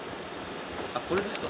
あっこれですか？